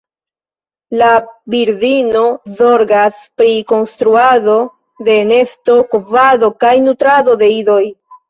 La birdino zorgas pri konstruado de nesto, kovado kaj nutrado de idoj.